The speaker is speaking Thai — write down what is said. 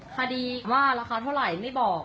คดีว่าราคาเท่าไหร่ไม่บอก